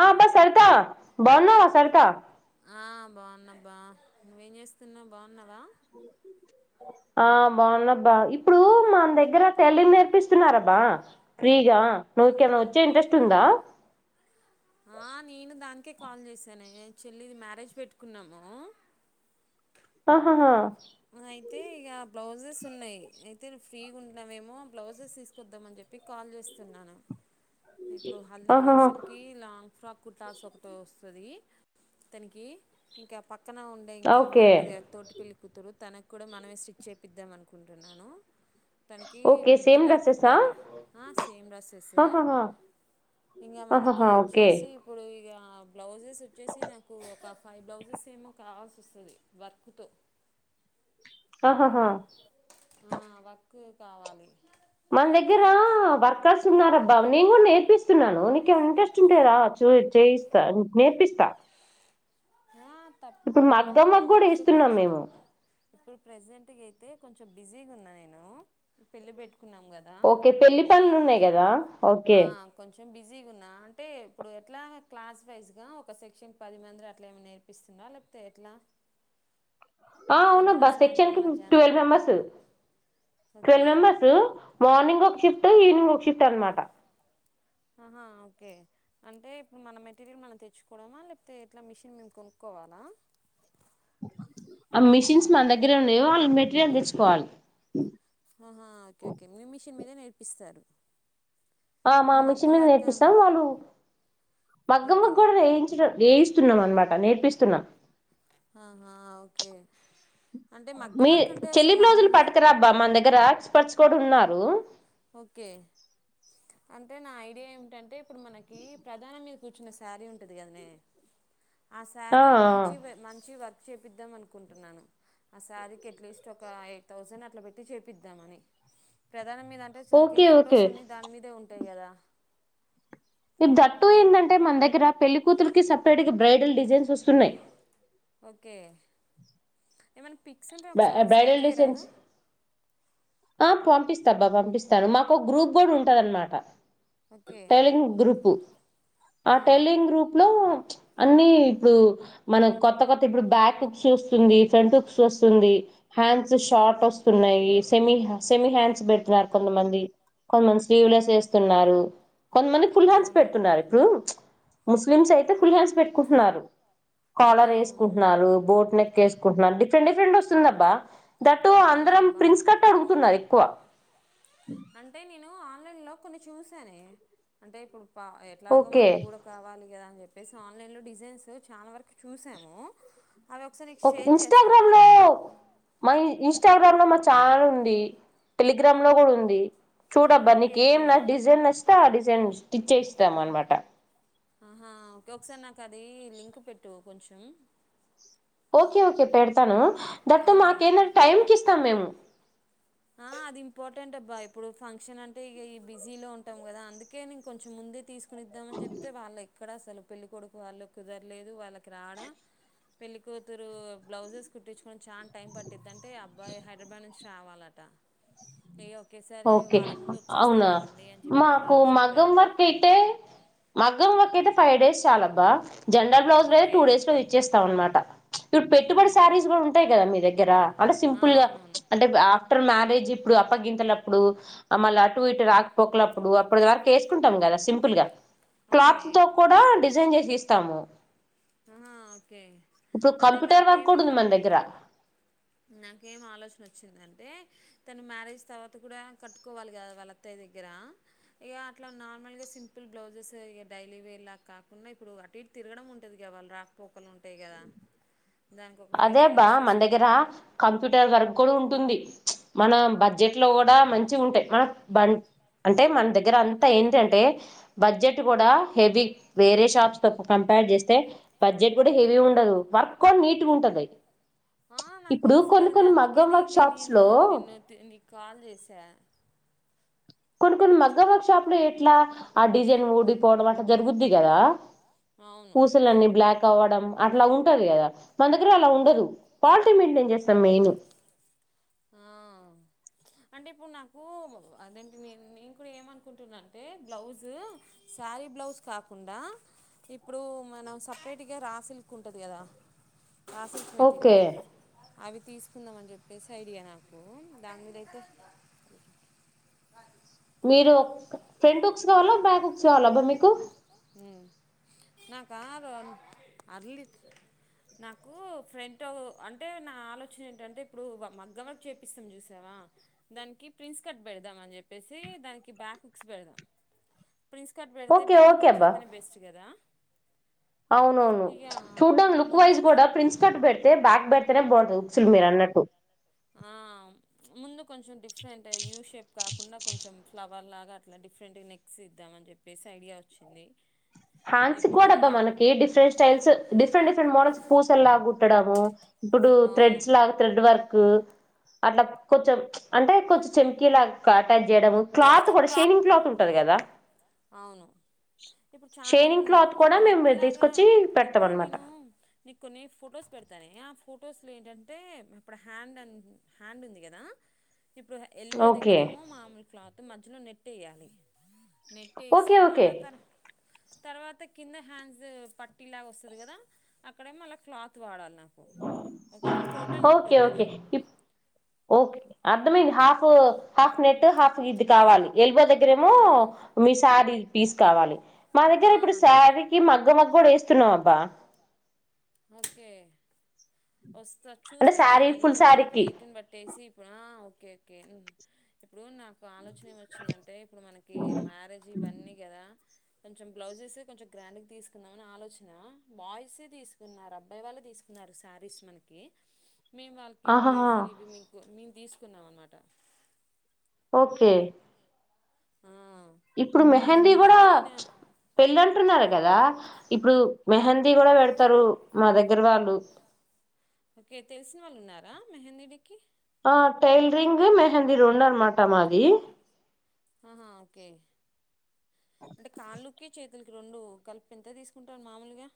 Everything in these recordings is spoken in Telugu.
ఆ బస్ సరత బాన్నా సరత బాగున్నా బా నువ్వేం చేస్తున్నావు బాగున్నావా ఆ బాగున్నాబ్బా ఇప్పుడు మన దగ్గరటైలరింగ్ నేర్పిస్తున్నారబ్బా ఫ్రీ న్కలా వచ్చే ఇంట్రెస్ట్ ఉందా [unintelligible] ఆ నేను దానికే కాల్ చేసాను చెల్లిది మ అడసి పెట్టుకున్నాము ఆహాహా అయితే ఇక బ్లౌజెస్ ఉన్నాయి అయితే ఫ్రీగా ఉంటున్నామేమో బ్లౌజెస్ తీసుకొద్దామ అని చెప్పి కాల్ చేస్తున్నాను ఇప్పుడు హల్దీ ఫంక్షన్కిి లాంగ్ ఫ్రాక్ కుర్తాస్ ఒకటి వస్తుంది తనకి ఇంకా పక్కన ఉండే ఇంకో అమ్మాయి ఉంటుంది తోటి పెళ్లి కూతురు తనకు కూడా మనమే స్టిచ్ చేయిద్దాం అనుకుంటున్నాను తనకి మిడ్డలా కుట్టాలి సేమ్ రాసెసే ఇంకా మనకి వచ్చేసి ఇప్పుడు ఇక బ్లౌజెస్ వచ్చేసి నాకు ఒక ఫైవ్ బ్లౌజెస్ ఏమో కావాల్సి వస్తుంది వర్క్తో ఆహాహా ఆ వక్ కావాలి మన దగ్గర వర్కర్స్ ఉన్నారబ్బా నేను కూడా నేర్పిస్తున్నాను నీకేమైనా ఇంట్రెస్ట్ ఉంటే రా చేయిస్తా నేర్పిస్తా ఆ తప్పకుండా బాగానే ఇప్పుడు కొంచెం ఇప్పుడు ప్రెజెంట్ ఇ అయితే కొంచెం బిజీగా ఉన్నా నేను పెళ్లి పెట్టు ఓకే పెళ్లి పనులు ఉన్నాయి కదా ఓకే కొంచెం బిజీగా ఉన్నా అంటే ఇప్పుడు ఎట్లా క్లాస్ వైజ్ గా ఒక సెక్షన్ పది మందిలు అట్లా ఏమ నేర్పిస్తుంది నాలప్తే ఎట్లా ఆవును బా సెక్షన్ట్వల్ ట్వల్ మెంబర్ మార్నింగ్ ఒక షిఫ్ట్ ఈనింగ్ ఒక అనమాట ఆహా ఓకే అంటే ఇప్పుడు మన మెటీరియల్ మనం తెచ్చుకోవడమా లేకపోతే ఇట్లా మిషిన్ మేము కొనుక్కో [unintelligible] ఆ మిషిన్స్ మన దగ్గరే ఉన్నాయో వాళ్ళు మెటీరియల్ తెచ్చుకోవాలి [unintelligible] ఆ మామిచ్చ నేర్పిస్తాం వాళ్ళు మగ్గమ్మకు కూడా వేయించడం వేయిస్తున్నాం అనమాట నేర్పిస్తున్నాం ఆహా ఓకే అంటే మగ్గమ్మారాక్కంటే అసలు మామూలు పరచు కూడా ఉన్నారు ఓకే అంటే నా ఐడియా ఏమిటంటే ఇప్పుడు మనకి ప్రధానం మీద కూర్చున్న శారీ ఉంటది కదనే ఆ సారీ మంచి మంచి వర్ చేపిద్దాం అనుకుంటున్నాను ఆ సారిీకి అట్లీస్ట్ ఒక ఎయిట్ ౌసండ్ అట్లా పెట్టి చేపిద్దాం అని ప్రధానం మీద అంటే తనకి ఫొటోస్ అన్ని దాని మీదే ఉంటాయి కదా ఇపు దట్టు ఏందంటే మన దగ్గర పెళ్లిికూతులకి సపరేట్గా బ్రైడల్ డిజైన్స్ వస్తున్నాయ్ ఓకే ఏమైనా పిక్స్ ఉంటే ఒకసారి నాకు సెండ్ చేయరాదు ఆ పంపిస్తాబ్బా పంపిస్తాను మాకు గ్రూప్ కూడా ఉంటద అనమాట ట్రైలరింగ్ గ్రూపు ఆ టెలింగ్ గ్రూప్ లో అన్నీ ఇప్పుడు మన కొత్త కొత్త ఇప్పుడు బ్యాక్ హుక్స్ వస్తుంది ఫ్రంట్ హుక్స్ వస్తుంది హ్యాండ్స్ షార్ట్ వస్తున్నయీ సెమీ సెమీ హ్యాండ్స్ పెడుతున్నారు కొంతమంది కొంతమంది స్లీవ్ లెస్ వేస్తున్నారు. కొంతమంది ఫుల్ హ్యాండ్స్ పెడుతున్నారు ఇప్పుడు ముస్లిమ్స్ అయితే ఫుల్ హ్యాండ్స్ పెట్టుకుంటున్నారు. కాలర్ వేసుకుంటున్నారు బోట్ నెక్ వేసుకుంటున్నారు డిఫరెంట్ డిఫరెంట్ వస్తుందబ్బా దట్ టు అందరం ప్రిన్స్ కట్ ఎక్కువ అంటే నేను ఆన్లైన్ లో కొన్ని చూశానే అంటే ఇప్పుడు ఎట్లాగో మానకు కూడా కావాలి కదా అని చెప్పేసి ఆన్లైన్ లో డిజైన్స్ చాలా వరకు చూసాము ఒక ఇన్స్టాగ్రామ్ లో మలీ ఇన్స్టాగ్రామ్ లో మా ఛానల్ ఉంది టెలిగ్రామ్ లో కూడా ఉంది చూడబ్బా నీకేం డిజైన్ నచ్చితే ఆ డిజైన్ స్టిచ్ చేయిస్తాం అనమాట ఆహా ఓకే ఒకసారి నాకు అది లింక్ పెట్టు కొంచెం ఓకే ఓకే పెడతాను దటూ మాకేంటంటె టైంకి ఇస్తాం మేము ఆ అది ఇంపార్టెంట్ అబ్బా ఇప్పుడు ఫంక్షన్ అంటే ఇ బిజీ లో ఉంటాం కదా అందుకే నేను కొంచెం ముందే తీసు కునిద్దామని చెప్తే వాళ్ళు ఎక్కడ అసలు పెళ్ళికొడుకు వాళ్ళు కుదరలేదు వాళ్ళకి రాడ పెళ్ళికూతురు బ్లౌజెస్ కుట్టించుకోని చాన టైం పట్టిద్ది అంటే అబ్బాయి హైదరాబాద్ నుంచి రావాలంట ట ఒకేసారి వారం ముందు వచ్చేస్తానండి అని చెప్పి వాళ్ళు చెప్పారు మగ్గం వర్క్ అయితే ఫైవ్ డేస్ చాలబ్బా జనరల్ బ్లౌజ్ లే టూ డేస్ లో ఇచ్చేస్తాం అనమాట ఇప్పుడు పెట్టుబడి శారీస్ కూడా ఉంటాయి కదా మీ దగ్గర అంటే సింపుల్ గా అంటే ఆ టర్ మ్యారేజ్ ఇప్పుడు అప్పగింతల అప్పు డు మళ్ళ అటు ఇటు రాకపోకలప్పుడు అప్పుడు వరకు ఎసుకుంటాం కదా సింపుల్ గా క్లాత్ తో కూడా డిజైన్ చేసి ఇస్తాము ఆ ఓకే అంటే నాకేమో నాకేం ఆలోచన వచ్చిందంటే తను మ్యారేజ్ తర్వాత కూడా కట్టుకోవాలి కదా వాళ్ళ అత్తయ్య దగ్గర ఇక అట్లా నార్మల్గా సింపు ల్ బ్లౌజెస్ ఇగ డైలీ వేర్ లా కాకుండా ఇప్పుడు అటు ఇటు తిరగడం ఉంటది గా వాళ్ళ రాకపోకలు అదే అబ్బా మన దగ్గర కంప్యూటర్ వర్క్ కూడా ఉంటుంది మన బడ్జెట్ లో కూడా మంచిగుంటయ్ మన బం అంటే మన దగ్గర అంతా ఏంటంటే బడ్జెట్ కూడా హెవీ వేరే షాప్స్ తో కంపా ర్ చేస్తే బడ్జెట్ కూడా హెవీ ఉండదు వర్క్ కూడా నీట్గా ఉంటది ఆ నాకు తెలుసు కదనే అందుకే నీకు నేను నిన్ను నీక్ కాల్ చేసా కొన్ని కొన్ని మగ్గంవర్క్ షాప్ లో ఎట్లా ఆ డిజైన్ ఊడిపోవడం అట్లా జరుగుద్ది కదా పూసలన్నీ బ్లాక్ అవ్వడం అట్లా ఉంటది కదా మన దగ్గర అలా ఉండదు క్వాలిటీ మెయింటైన్ చేస్తాం మెయిన్ అంటే ఇప్పుడు నాకు అదేంటి నేను కూడా ఏమనుకుంటున్నా అంటే బ్లౌజు శారీ బ్లౌజ్ కాకుండా ఇప్పుడు మనం సపరేట్గా రా సిల్క్ ఉంటది కదా రా సిల్క్ మెటీరియల్ అవి తీసుకుందాం అని చెప్పేసి ఐడియా నాకు దాని మీదయితే తు మీరు ఫ్రంట్ ఉక్స్ కావాలా బ్యాక్ ఉక్స్ కావాల అబ్బా మీకు ఉ నాకా అర్లి నాకు ఫ్రెంట్ అంటే నా ఆలోచన ఏంటంటే ఇప్పుడు మగ్గం వర్క్ చేపిస్తాం చూసావా ఆ దానికి ప్రిన్స్ కట్ పెడదాం అని చెప్పేసి దానికి బ్యాక్ ఉక్స్ పెడదాం ప్రిన్స్ కట్ పెడితే బ్యాక్ ఉక్స్ అయితేనే బెస్ట్ కదా అవునవును చూడ్డాం లుక్ వైజ్ కూడా ప్రిన్స్ కట్ పెడితే బ్యాక్ పెడితేనే బాగుంటది ఉక్స్ లు మీరన్న ట్టు ఆ ముందు కొంచెం డిఫరెంట్ యూ షేప్ కాకుండా కొంచెం ఫ్లవ వాల్లాగా అట్లా డిఫరెంట్ నెక్స్ ఇద్దామని చెప్పేసి ఐడియా వచ్చింది హాండ్స్ కూడాబ్బ మనకి different styles different different models పూసల్లాకు. కుట్టడము ఇప్పుడు థ్రెడ్స్ లాగా థ్రెడ్ వర్క్. అట్లా కొంచెం ప్చ్ అంటే కొంచెం చెంకీలాగా అటాచ్ చేయడము క్లాత్ కూడా షైనింగ్ క్లాత్ వస్. ఉంటది కదా. అవును ఇప్పుడు. చాలా మంది నెట్ నెట్ లాగా ఇప్పుడు నేను నీకు కొన్ని ఫొటోస్ పెడతానే ఆహ్ ఫో. ఫొటోస్లో ఏంటంటే ఇప్పుడు హ్యాండ్ అన్ హ్యాండ్ ఉంది కదా. ఇప్పుడు ఎల్బో దగ్గరేమో మామూలు క్లాత్ మధ్యలో నెట్ వేయాలి. నెట్టేసి మళ్ళా తన. తర్వాత కింద హ్యాండ్స్ పట్టిలాగా వస్తది కదా అక్కడేమో మళ్ళ క్లాత్ వాడాలి. ఓకే ఓకే ఇప్ ఓకే. అర్థమైంది హాఫ్. హాఫ్ నెట్ హాఫ్ ఇది కావాలి ఎల్బో దగ్గరేమో మీ శారీ పీస్ కావాలి. మా దగ్గర ఇప్పుడు శారీ కి మగ్గం వర్క్ కూడా వేస్తున్నామబ్బా. ఓకే. వస్తా చూస్తానే ఇవన్నీ కొంచెం రేటుని బట్టేసి ఇప్పుడు ఆహ్ ఓకే ఓకే. ఇప్పుడు నాకు ఆలోచన ఏం వచ్చిందంటే ఇప్పుడు మనకి మ్యారేజ్ ఇవన్నీ కదా. కొంచెం బ్లౌజెస్ కొంచెం గ్రాండ్ గా తీసుకుందాంని ఆలోచన బాయ్సే తీసుకు. [unintelligible] అబ్బాయి వాళ్ళే తీసుకున్నారు శారీస్ మనకి. మేము వాళ్ళకి [unintelligible] మేము తీసుకున్నాం అనమాట. ఓకే. ఇప్పుడు మెహందీ కూడా ప్చ్ పెళ్లి అంటున్నారు కదా ఇప్పుడు మెహందీ. మెహందీ కూడా పెడతారు మా దగ్గర వాళ్ళు. ఓకే తెలిసిన వాళ్ళు ఉన్నారా మెహందీ [unintelligible] ఆహ్ టైలరింగ్ మెహందీ రెండానమాట మాది. ఆహా ఓకే అంటే కాళ్ళు. కీ చేతులకి రెండు కలిపి ఎంత తీసుకుంటారు మామూలుగా.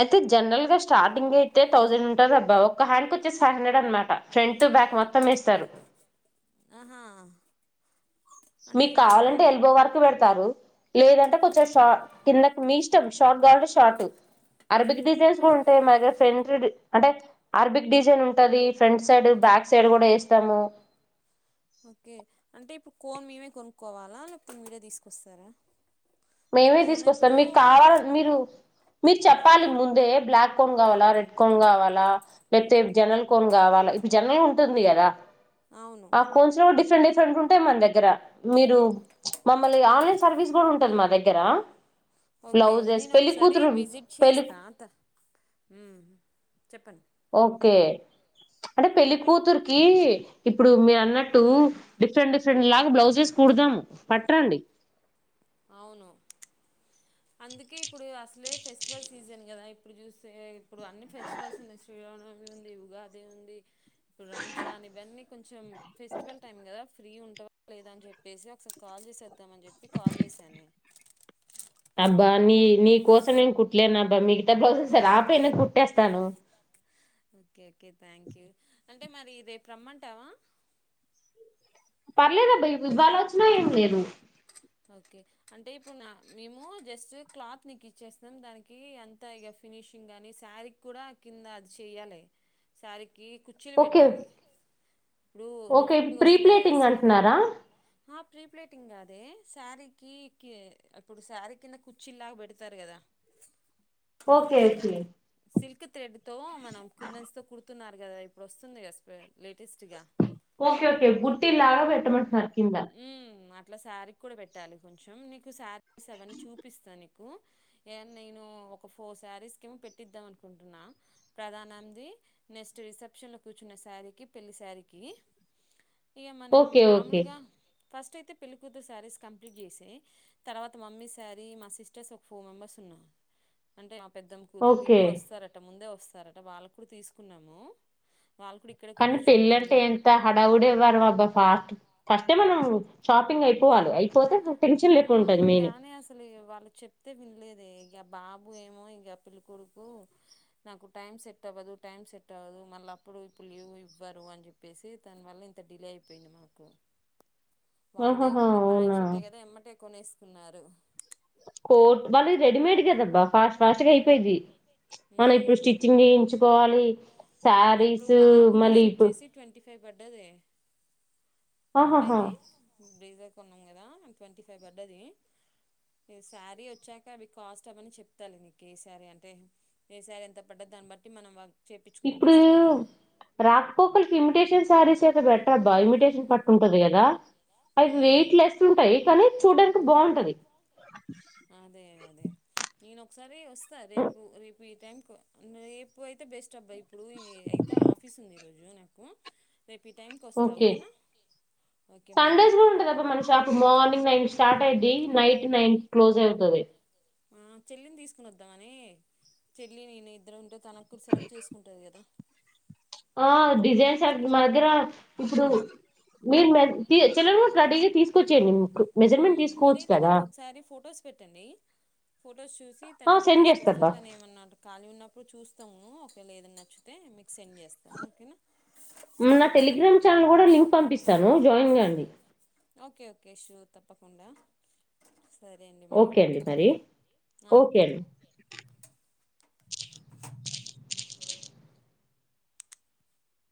అయితే జనరల్ గా స్టార్టింగ్ అయితే తౌసండ్. ఉంటదబ్బా ఒక హ్యాండ్ కు వచ్చేసి ఫైవ్ హండ్రెడ్ అనమాట ఫ్రంట్ టు బ్యాక్ మొత్తం వేస్తారు. ఆహా. మీకు కావాలంటే ఎల్బో వరకు పెడతారు లేదంటే కొంచెం షా. కిందకు మీ ఇష్టం షార్ట్ కావాలంటే షార్ట్. అరబిక్ డిజైన్స్ కూడా ఉంటాయి మా దగ్గర ఫ్రెంట్ డు అంటే అరబిక్ డిజైన్ ఉంటుంది ఫ్రంట్ సైడ్ బా. బ్యాక్ సైడ్ కూడా వేస్తాము. ఓకే అంటే ఇప్పుడు కోన్ మేమే కొనుక్కోవాలా లేకపోతే మీరే తీసుకొస్తారా. మేమే తీసుకొస్తాం మీకు కావాలని మీరు మీరు చెప్పాలి ముందే బ్లాక్. కోన్ కావాలా రెడ్ కోన్ కావాలా లేకపోతే జనరల్ కోన్ కావాలా ఇప్పుడు జనరల్ గా ఉంటుంది కదా. ఆహ్ కోన్స్ లో డిఫ్. డిఫరెంట్ డిఫరెంట్ ఉంటాయి మన దగ్గర మీరు ప్చ్ మమ్మల్ని ఆన్లైన్ సర్వీస్ కూడా ఉంటది మా దగ్గర. దగ్గర. ఓకే నేను ఒకసారి విజిట్ చేస్తా త ఉమ్ చెప్పండి. ఓకే. అంటే పెళ్లికూతుర్కి ఇప్పుడు మీరు అన్నట్టు డిఫరెంట్ డిఫరెంట్ లాగా బ్లౌజెస్ కు. కుడదాము పట్రండి. అవును. అందుకే ఇప్పుడు అసలే ఫెస్టివల్ సీజన్ కదా ఇప్పుడు చూస్తే. ఇప్పుడు అన్ని ఫెస్టివల్స్ ఉన్నాయి శ్రీరామనవమి ఉంది ఉగాది ఉంది. ఇప్పుడు రంజాన్ అని ఇవన్నీ కొంచెం ఫెస్టివల్ టైమ్ కదా ఫ్రీ ఉంటావా లేదా అని చెప్పేసి ఒకసారి కాల్. కాల్ చేసేద్దాం అని చెప్పి కాల్ చేసి. అబ్బా నీ నీ కోసం నేను కుట్టలేను అబ్బా మిగతా బస స ఆపైనా కుట్టేస్తాను అ ఓకే ఓకే థ్యాంక్ యూ అంటే మరి రేపు రమ్మంటావా పర్లేదబ్బాయి ఇవ్వాలో వచ్చినాయండి మీేరు ఓకే అంటే ఇప్పుడు నా మేము జస్ట్ క్లాత్ నీకు ఇచ్చేస్తుినం దానికి అంతఫ్ ఫినిషింగ్ కానీ శారీ కూడా కింద అది చెయాలి శారీ కి కుచీలు పెట్టాలి ఇప్పుడు డిఫరెంట్ గా వస్తున్నా సిల్క్ ప్రీప్లేటింగ్ అద శారీకి ఇప్పుడు శారీ కింద కుర్చీలాగా పెడతారు కదా ఓకే ఓకే సిల్క్ థ్రెడ్ తో మనం కున్నస్తో కుడుతున్నారు కదా ఇప్పుడు వస్తుంది కదా లేటెస్ట్గా ఓకే ఓకే గుట్టి ఇలాగా వెట్టమంటకంద అట్లా శారీ కూడా పెట్టాలి కొంచెం నీకు శారీస్ అవన్నని చూపిస్తాను నేను ఒక ఫోర్ శారీస్ కిమో పెట్టిద్దాం అనుకుంటున్నా ప్రధానది నెక్స్ట్ రిసెప్షన్ లో కూర్చున్న సారికి పెళ్లి సారికి ఇక మనం మామూలుగా ఫస్ట్ అయితే పెళ్లికూతురు శారీస్ కంప్లీట్ చేసే తర్వాత మమ్మీ శారీ మా సిస్టర్స్ ఒక ఫోర్ మెంబర్స్ అంటే పెద్దమ్మ కూతురు వీళ్ళు కూడా వస్తారట ముందే వస్తారట వాళ్ళ కూడా తీసుకున్నాము కానీ పెళ్ళంటే ఎంత హడావుడ ఇవ్వారు బబ్బా ఫాస్ట్ ఫస్ట్ అయితే మనం షాపింగ్ అయిపోవాలి అయిపోతే ఉ గాని అసలు వాళ్ళు చెప్తే వినలేదు ఇక బాబు ఏమో పిల్ కొడుకు నాకు టైమ్ సెట్ అవ్వదు టైం సెట్ అవ్వదు మళ్ళ అప్పుడు ఇప్పుడు ఇవ్వ అని చెప్పేసి దానివల్ల ఇంత డిలే అయిపోయింది మాకు వాళ్ళ ఏముంది పాంషట్టే కదా ఎమ్మట ఎక్కువనే వేసుకున్నారు కోట్ వాళ్ళు రెడీమేడ్ క తబ్బా ఫాస్ట్ ఫాస్ట్గా అయిపోయిది మనం ఇప్పుడు స్టిచ్చింగ్ చేయించుకోవాలి ఇప్పుడు బాబు రస్ వచ్చేసి ట్వంటీ ఫైవ్ పడ్డది అబ్బాయిది డీజర్ కొన్నాం కదా ట్వంటీ ఫైవ్ పర్డది ఈ శారీ వచ్చాక అవి కాస్ట్ అవమని చెప్తాలి నీకు ఏ శారీ అంటే ఏ శారీ ఎంత పడ్డది దాన్ని బట్టి మనం ఇప్పుడు రాక్పోకల్ క ఇమిటేషన్ శారీస్తే పెట్ట అ బ ఇమిటేషన్ పట్టు ఉంటది కదా అవి వెయిట్ లెస్ ఉంటాయి కానీ చూడ బాగుంటది నేను ఒకసారి వస్తా రేపు రేపు ఈ టైంకు రేపు అయితే బెస్ట్ అబ్బా ఇప్పుడు అయితే ఆఫీస్ ఉంది ఈ రోజు నాకు ఓకే సండేస్ లో ఉంటదబా మన షాపు మార్నింగ్ నైన్ స్టార్ట్ అయిది నైట్ నైన్ క్లోజ్ అయితుది ఆ చెల్లిని తీసుకుని వద్దాం అని చెల్లి నేను ఇద్దరు ఉంటే తనకు కూడా సెలెక్ట్ చేసుకుంటారు కదా ఆ డిజైన్స్ మాగ్గర ఇప్పుడు మీరు చిలర రో అడీగా తీసుకొచ్చేయండి మీరైతే నాకు ఒకసారి ఫొటోస్ పెట్టండి జు చూసి తను కూడా తీసుకొస్తా తన ఏమన్నాడు ఖాీ ఉన్న ఇప్పుడు చూస్తాము ఓకే లేదని నచ్చితే మీకు సెండ్ చేస్తాను ఓకేనా నా టెలిగ్రామ్ ఛానల్ కూడా లింక్ పంపిస్తాను జాయిన్ కాండి ఓకే ఓకే షూ తప్పకుండా ఓకే అండి మరి ఓకే అండి